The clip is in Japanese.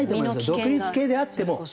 独立系であっても。